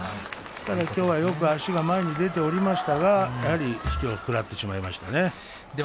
今日はよく足が前に出ておりましたが、やはり引きを食らってしまいました。